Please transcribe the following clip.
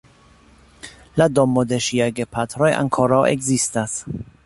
La domo de ŝiaj gepatroj ankoraŭ ekzistas.